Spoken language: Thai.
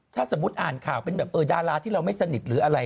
ถ้าสมมุติอ่านข่าวเป็นแบบดาราที่เราไม่สนิทหรืออะไร